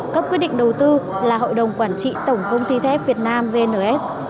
cấp quyết định đầu tư là hội đồng quản trị tổng công ty thép việt nam vns